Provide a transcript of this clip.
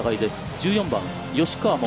１４番、吉川桃。